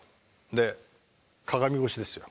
で鏡越しですよ。